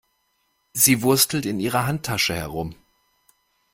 Sie wurstelt in ihrer Handtasche herum.